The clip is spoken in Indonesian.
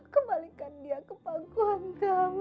kembalikan dia ke panggung kami ya allah